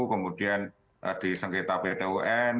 kemudian di sengketa pt un